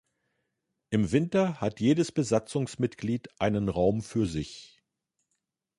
Im Winter hat jedes Besatzungsmitglied einen Raum für sich.